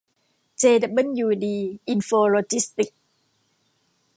เจดับเบิ้ลยูดี อินโฟโลจิสติกส์